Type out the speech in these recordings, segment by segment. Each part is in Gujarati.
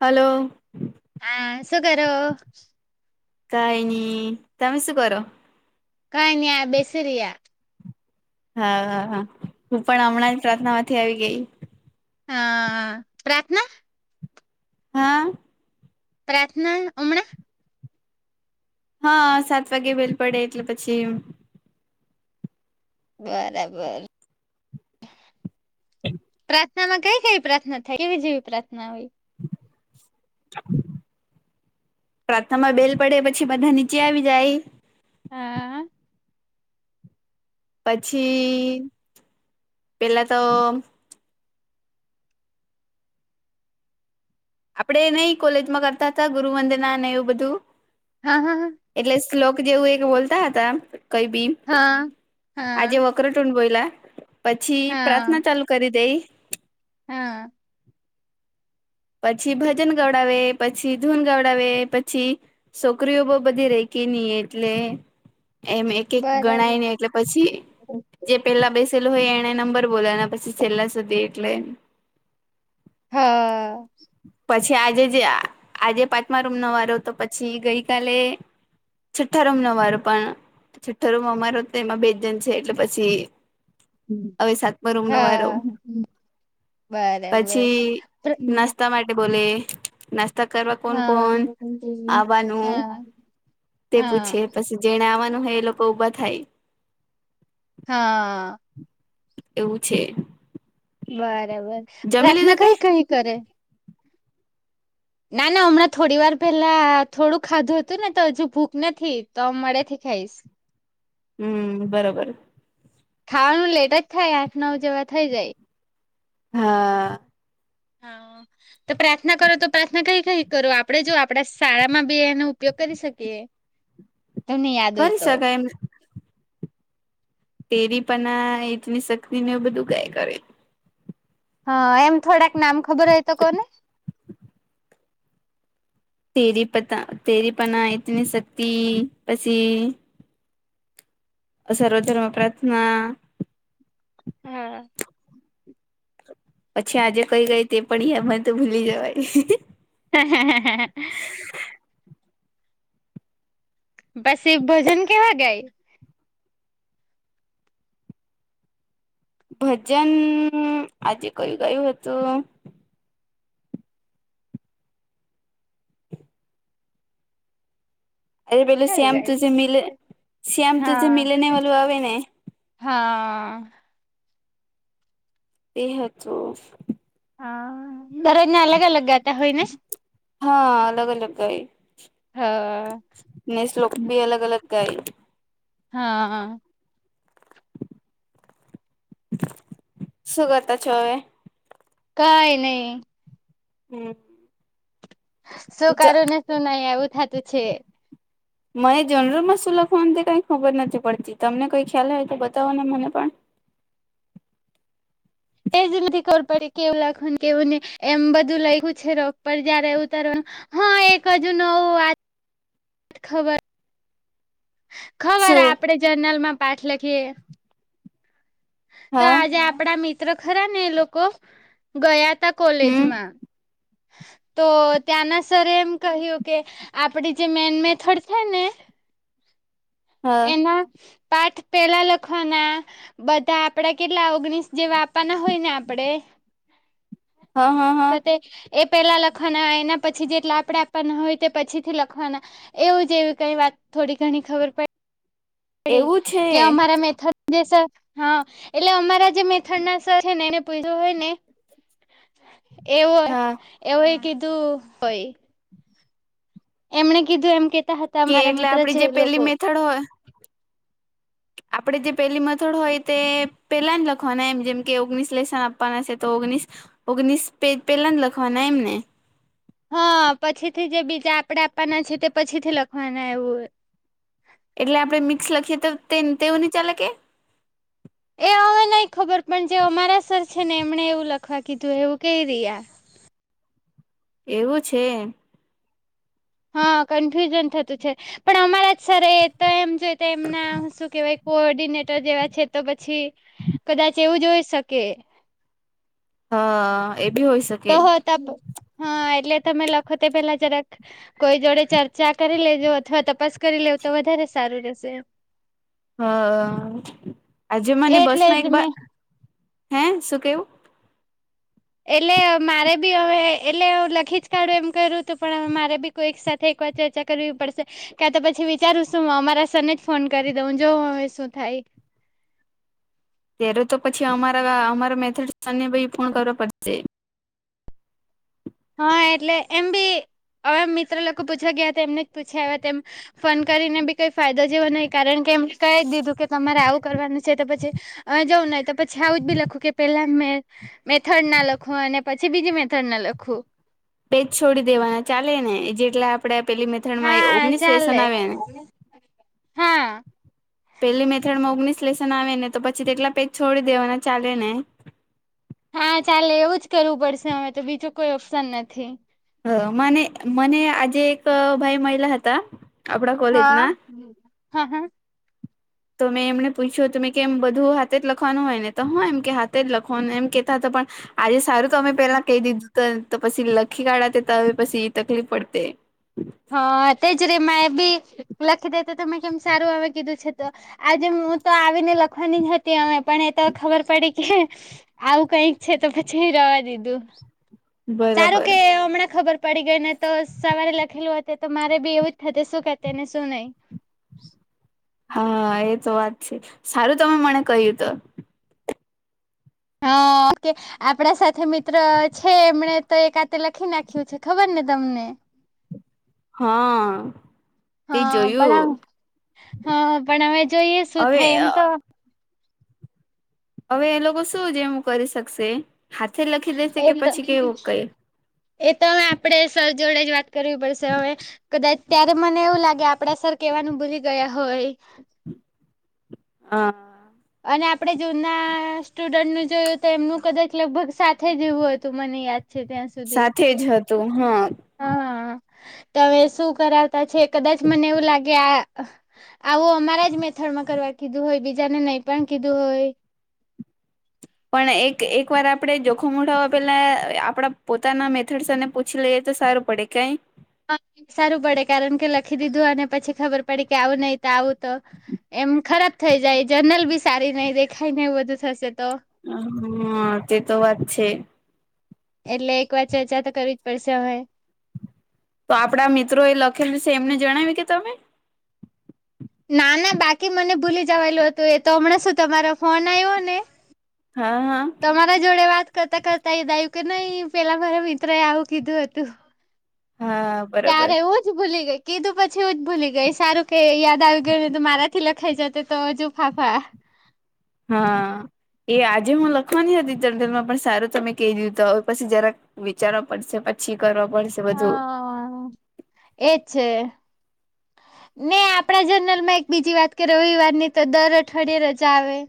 હાલો. હા શું કરો? કઈની તમે શું કરો? કયની આ બેસી રિયા હા હા હા હું પણ હમણાં જ પ્રાર્થના માંથી આવી ગઈ હ પ્રાર્થના હા. પ્રાર્થના અમણા હા સાત વાગ્યે બેલ પડે એટલે પછી બરાબર. પ્રાર્થનામાં કઈ કઈ પ્રાર્થના થાય કેવી જેવી પ્રાર્થના હોય પ્રારથામાં બેલ પડે પછી બધા નીચે આવી જાય હા. પછી પેલા તો આપડે નહી કોલેજમાં કરતા હતા ગુરુ વદના એવું બધું હા હા હા. એટલે શ્લોક જેવું એક બોલતા હતા કઈ બી હા હા. ચક્રટુંડ બોયલા પછી હા પ્રાર્થના ચાલુ કરી દેય હા. પછી ભજન ગવડાવે પછી ધૂન ગવડાવે પછી છોકરીઓ બો બધી રેય કેની એટલે એમ એ કે ગણાય બરાબર ને એટલે પછી જે પેલા બેસેલું હોય એણે નંબર બોલને પછી છેલ્લા સુધી એટલે હા. પછી આજે જ આજે પાંચમા રૂમ ન વારો તો પછી ગઈકાલે. છઠ્ઠા રૂમ નો અમારો પણ છઠ્ઠા રૂમ અમારો તો એમાં બે જણ છે એટલે પછી. હવે સાતમા રૂમ નો વારો હા બરાબર પછી. નાસ્તા માટે બોલે નાસ્તા કરવા કોણ હા કોણ આવવાનું હા તે હા પૂછે પછી જેણે આવવાનું હોય એ લોકો ઊભા થાય હા. એવું છે. બરાબર જમી પ્રાર્થના લીધું કે કઈ કઈ કરે. ના ના હમણાં થોડી વાર પેલા થોડું ખાધું હતું ને તો હજુ ભૂખ નથી તો મોડે થી ખાઈશ. હમ બરોબર. ખાવાનું લેટ જ થાય આઠ નવ જવા થઈ જાય. હા. હા તો પ્રાર્થના કરો તો પ્રાર્થના કઈ કઈ કરો આપણેે જો આપણા શાળામાં બી એનો ઉપયોગ કરી શકીએ. તમને યાદ હોય કરી તો શકાય એમ તેરી પણ ઈટની શક્તિ ને બધું ગાય કરે. હા એમ થોડાક નામ ખબર હ તો કોને તેરી પતા તેરી પણના ઈતની શક્તિ પસી. સર્વધર્મ પ્રાર્થના. હા. પછી આજે કઈ ગઈ તે પણડીમને તો ભૂલી જવાય. હ હ. પસી ભોજન કેવા ગાય. ભજન આજે કયું ગયું હતું. અરે પેલું ક્યારે શ્યામ તું જે ગાય મિલે શ્યામ તું જે મિલે ને વાળું આવે ને. હ અ તે હતું હા દરરોજને અલગ અલગ ગા હ અલગ અલગ ગાઈ હા ને શ્લોક ભી અલગ અલગ ગાય હાઅ શું કરતા છો હવે કઈ ની હમ શું કરું ને શું નહી એવું થતું છે હમ મને જનરલ માં શું લખવાનું તે કઈ ખબર નથી પડતી તમને કઈ ખ્યાલ હોય તો બતાવો ને મને પણ એજ નથી ખબર પડી કેવું લખવાને કેવું ની એમ બધું લખ્યું છે રાઉફ મા પછી જયારે ઉતારવાનું હા એક હજુ નવું વ ખબર ખબર શું આપડે જર્નલ માં પાઠ લખીએ તો હા આજે આપડા મિત્ર ખરા ને એ લોકો ગયા તા કોલેજ હમ માં તો ત્યાંના સરે એમ કહ્યું કે આપડી જે મેન મેથડ છે ને હા એના પાઠ પહેલા લખવા ના બધા આપડા કેટલા ઓગણીસ જેવા આપવાના હોય ને આપડે હા હા હા તો તે એ પહેલાં લખવાના એના પછી જેટલા આપણે આપવાના હોય તે પછીથી લખવાના એવું જ એવી કઈ વાત થોડી ઘણી ખબર પડી પડી એવું છે કે અમારા મેથડ જે સર હા એટલે અમારા જે મેથડ ના સર છે ને એને પૂછું હોય ને [unintelligible] એવો હા એવ કીધું હોય. એમણે કીધું એમ કેતા હતા કે અમારા એટલે મિત્ર આપડી છે જે એ પેલી લોકો મેથડ હોય આપણેે જે પેલી મથડ હોય તે પેલા જ લખવાના એમ જેમ કે ઓગણીસ લેશન આપવાના છે તો ઓગણીસ ઓગણીસ પ પહેલાંના જ લખવાના એમ ને હા, પછીથી જે બીજા આપડે આપવાના છે, તે પછી થી લખવાના એવું હોય. એટલે આપડે મિક્સ લખીએ, તો તેવું નહી ચાલે કે? એ હવે નહીં ખબર પણ જે અમારા સર છે ને, એમણે એવું લખવા કીધું એવું કઈ રહ્યા. એવું છે. હા, કન્ફ્યુઝન થતું છે, પણ અમારા જ સર એ તો એમ જો, તો એમના શું કેવાય? કો ઓર્ડિનેટર જેવા છે, તો પછી કદાચ એવું જોઈ શકે. હા, એ બી હોય શકે. તો હો, ત હા એટલે તમે લખો તે પેલા જરાક. કોઈ જોડે ચર્ચા કરી લેજો અથવા તપાસ કરી લેવું, તો વધારે સારું રહેશે એમ. હ, આજે મને એટલે બસમાં એક જ બા. મેં હે, શું કેવું? એટલે મારે બી હવે, એટલે હા, લખી જ કાઢવું એમ કર્યું હતું, પણ હ, મારે બી. કોઈ એક સાથે એક વાર ચર્ચા કરવી પડશે. ક્યા તો પછી વિચારું શું? અમારા સરને જ ફોન કરી દઉં. જો હવે શું થાય. ત્યારે તો પછી અમારા અમારા મેથડ ભી પૂરુ કરવા પડશે. હા, એટલે એમ બી હવે મિત્ર લોકો પૂછ્યા ગયા હતા, એમને જ પૂછ્યા આવ્યા તેમ. ફોન કરીને બી કઈ ફાયદો જેવો નહી, કારણ કે એમ કહી દીધું કે તમારે આવું કરવાનું છે તો પછી અ, જઉું નહી તો પછી આવું જ બી લખું કે પેલા મેં. મેથડ ના લખવું અને પછી બીજી મેથડ ના લખવું. પેજ છોડી દેવાના ચાલે ને, જેટલા આપણેે પેલી મેથડ માં એ હા ઓગણીસ ચાલે વ્યસન આવી ને. હા પેલી મેથડ માં ઓગનીસ લેશન આવે ને, તો પછી તેટલા પેજ છોડી દેવાના ચાલે ને. હા, ચાલે એવું જ કરવું પડશે, અમે તો બીજું કોઈ ઓપ્શન નથી. હ, મને આજે એક ભાઈ મહિલા હતા. આપડા કોલેજ ના હા, હા, હા. તો મેં એમને પૂછ્યું હતું, મે કેમ બધું હાથે જ લખવાનું હોય ને? તો હ એમ કે હાથે જ લખવાનું, એમ કેહેતા હતા પણ આજે સારું, તો અમે પેલા કહી દીધું હતું, તો પછી લખી કાઢે, તે તો પછી તકલીફ પડતી. હા, તેજ રેમાં એ બી લખી દે, તો તમે કેમ સારું આવે કીધું છે તો. આજે હું તો આવીને લખવાની જ હતી, અમે પણ એ તો ખબર પડી કે. આવું કંઈક છે, તો પછી રહેવા દીધું. સારું કે બરાબર હમણાં ખબર પડી ગઈ ને, તો સવારે. લખેલું તો મારે બી એવું જ થયું શું કેને શું નહીં? હા, એ તો વાત છે. સારું, તમે મને કહ્યું તો. હા, ઓકે. આપડા સાથે મિત્ર છે, એમણે તો એકાતે લખી નાખ્યું છે, ખબર ને તમને. હા. તે હા, પણ જોયું હા, પણ અમે જોઈએ શું હવે થાય એમ તો. હવે એ લોકો શું જેમું કરી શકશે? હાથે લખી દેશે એમ કે તો પછી એ કેવું કે? એ તો હવે આપડે સર જોડે જ વાત કરવી પડશે હવે. કદાચ ત્યારે મને એવું લાગે, આપડા સર કેવાનું ભૂલી ગયા હોય. હા. અને આપડે જૂના સ્ટુડન્ટનું જોયું, તો એમનું કદાચ લગભગ સાથે જેવું હતું, મને યાદ છે ત્યાં સુધી સાથે જ હતું, હા. હા, તો હવે શું કરાવતા છે? કદાચ મને એવું લાગે આ આવું અમારા જ મેથડમાં કરવા કીધું હોય, બીજાને નહીં પણ કીધું હોય. પણ એક એક વાર આપડે જોખમળો પેલા આપડા પોતાના મેથડસને પૂછી લઈએ તો સારું પડે કઈ. હા સારું પડે કારણ કે લખી દીધું અને પછી ખબર પડી કે આવું નહી તો આવું તો એમ ખરાબ થઈ જાય, જર્નલ બી સારી નહીં દેખાય ને, એવું બધું થશે તો. હા, તે તો વાત છે. એટલે એક વાર ચર્ચા તો કરવી જ પડશે હવે. તો આપડા મિત્રો એ લખેલ છે, એમને જણાવી કે તમે ના, ના, બાકી મને ભૂલી જવાયેલું હતું એ તો. હમણાં શું, તમારો ફોન આવ્યો ને. હા, હા. તર જોડે વાત કરતા કરતા એ દ્યું કે નહી પેલા મારા મિત્ર એ આવું કીધું હતું. હા આ. ત્યારે એવું જ ભૂલી ગઈ કીધું પછી ઉજ ભૂલી ગઈ સારું કે યાદ ધારો કે મારા થી લખાઈ જતો તો હજુ ફાફા. હા, એ આજે હું લખવાની હતી તંડલ માં પણ સારું તમે કહી દિયુ તો હવે પછી જરાક વિચારવા પડશે પછી કરવા પડશે બધું. હા, એજ છે. ને આપડા જર્નલ માં એક બીજી વાત કરી રવિવાર ની તો દર અઠવાડિયે રજા આવે.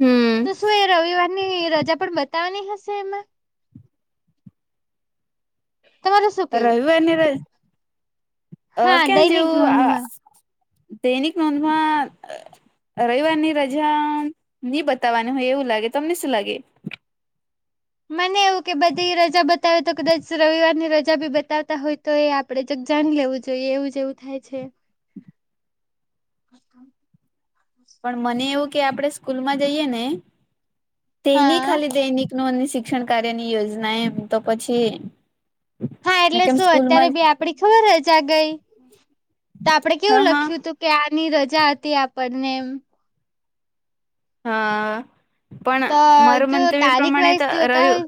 હમ તો શું એ રવિવાર ની રજા પણ બતાવવાની હશે એમાં? તમારું શું કેવું રવિવાર ને ર અહ હા ક્યાં દૈનિક જેવું આ નોંધમાં તેનિક નોંધમાં અહ રવિવારની રજા નની બતાવવાની હોય એવું લાગે તમને શું લાગે? મને એવું કે બધી રજા બતાવે તો કદાચ રવિવાર ની રજા બી બતાવતા હોય તો એ આપડે જગ જાણી લેવું જોઈએ એવું જવું થાય છે. [inaudible] પણ મને એવું કે આપડે સ્કૂલ માં જઈએ ને તેની હા ખાલી દૈનિક ની નું અને શી શિક્ષણ કાર્ય ની યોજના એમ તો પછી આ મેં એટલે કેમ શું અત્યારે સ્કૂલમાં બી આપડી ખબર રજા આ ગઈ તો આપડે હા કેવું હા લખ્યું તું કે આની કરજા હતી આપણને એમ. હા પણ તો મારું જો મન તો એ તારીખ પ્રમાણે તો વાઈસ જોતા રહ્યું હોય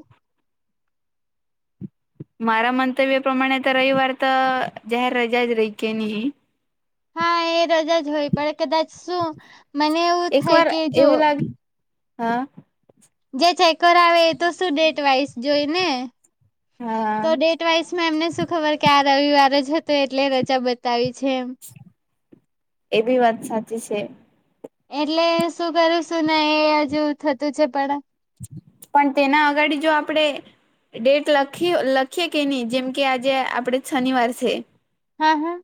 મારા મંતવ્ય પ્રમાણે તો રવિવાર તો જાહેર રજા જ રહી કે નહી. હા, એ રજા જ હોય પણ કદાચ શું મને એવું એક થાય વાર કે જો એવું લાગે હા. જે ચેકર આવે એ તો શું ડેટ વાઈઝ જોઈ ને હા તો ડેટ વાઈઝમાં એમને શું ખબર કે આ રવિવાર જ હતો એટલે રજા બતાવી છે એમ. એ બી વાત સાચી છે. એટલે શું કરું શું ને એ હજુ થતું છે પડા પણ તેના આગડ જો આપડે ડેટ લખી લખીએ કે નહી જેમ કે આજે આપડે શનિવાર છે. હા, હા.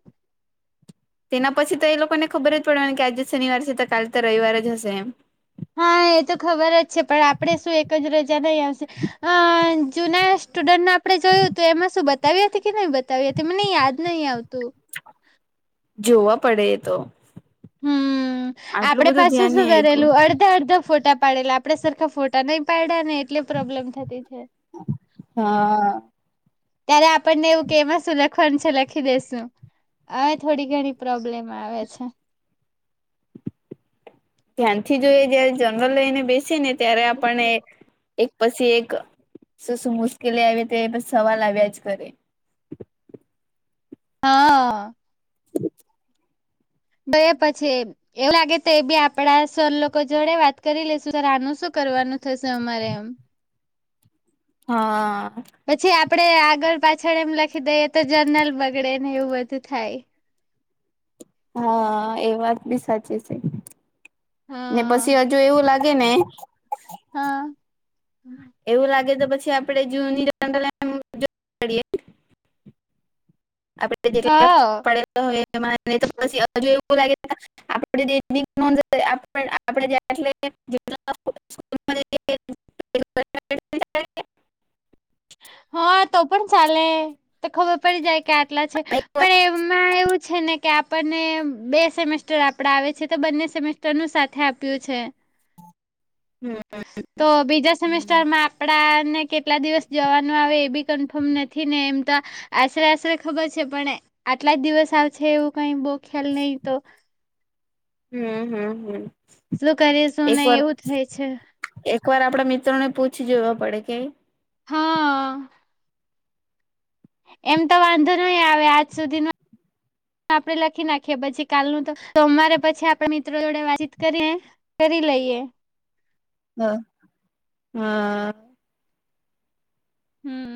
તેના પછી તો એ લોકોને ખબર જ પડવાની કે આજે શનિવાર છે તો કાલે તો રવિવારે જ હશે એમ. હા, એ તો ખબર જ છે પણ આપડે શું એક જ રજા નહી આવશે અહ જૂના સ્ટુડન્ટ ના આપડે જોયું હતું એમાં શું બતાવી હતી કે નહી બતાવી હતી મને યાદ નહીં આવતું. જોવા પડે એતો. હમ્મ, આપડે બધું પાછું ધ્યાન શું નહી આપ્યું કરેલું અડ ધો અડધો ફોટા પાડેલા આપડે સરખા ફોટા નઈ પાડ્યા ને એટલે પ્રોબ્લેમ થતી છે. હા. ત્યારે આપણને એવું કે એમ શું કંસ છે લખી દેસુ હવે થોડી ઘણી પ્રોબ્લેમ આવે છે. ધ્યાનથી જોઈ જયારે જનરલ લઈને બેસી ને ત્યારે આપણને એક પસી એક સું સું મુસ્કેલી આવી તે એ સવાલ આવ્યા જ કરે. આ તો એ પછી. એવુ લાગે તે એ બી આપડા સર લોકો જોડે વાત કરી લેશુ સર આનુ શું કરવાનું થશે અમારે એમ. હા. પછી આપડે આગળ પાછળ એમ લખી દઈએ તો જનરલ બગડે ને એવું બધું થાય. હા, એ વાત બી સાચી છે. ને હા પછી હજુ એવું લાગ રેને હા એવું લાગે તો પછી આપડે જૂની જોઈએ [inaudible] આપડે જે હા પડલા હોય એને પછી હજુ એવું લાગે [inaudible] આપ એ [unintelligible] [unintelligible] હ તો પણ ચાલે ત ખબર પડી જાય કે આટલા છે પણ એમા એવુ છે ને કે આપણને બે સેમેસ્ટર આપડા આવે છે તો બંને સેમેસ્ટરનુ સાથે આપ્યુ છે. હ તો બીજા સેમેસ્ટરમા આપડાને કેટલા દિવસ જવાનુ આવે એ બી કન્ફમ નથી ને એમતા આસરે આસરે ખબર છે પણ આટલા જ દિવસ આવછે એવુ કઈ બઉ ખ્યાલ નહી તો. હમ હમ હમ સું કરીસુ એક નઈ વાર એવુ થાય છે. એક વાર આપડા મિત્રો ને પૂછી જોવા પડે કે. હ એમ તો વાંધો નઈ આવે આજ સુધી નો આપડે લખી નાખીએ પછી કાલનુ તો સોમવારે પછી આપડે મિત્રો જોડે વાતચીત કરીએ. કરી લઈએ. હ હા. હમ્મ